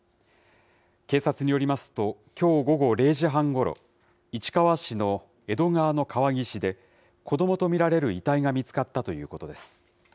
警察によりますと、きょう午後０時半ごろ、市川市の江戸川の川岸で、子どもと見られる遺体が見つかったということです。